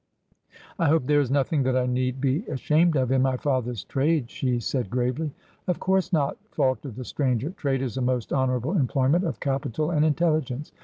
' I hope there is nothing that I need be ashamed of in my father's trade,' she said gravely. ' Of course not,' faltered the stranger. ' Trade is a most honourable employment of capital and intelligence.